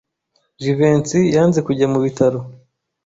Jivency yanze kujya mu bitaro.